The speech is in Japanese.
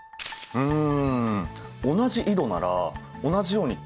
うん？